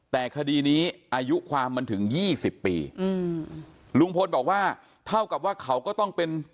แต่คดีนี้อายุความมันถึงยี่สิบปีอืมลุงพลบอกว่าเท่ากับว่าเขาก็ต้องเป็น